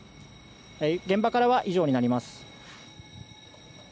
現場からは以上になります。